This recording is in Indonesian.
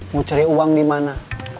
mau cari uang dimana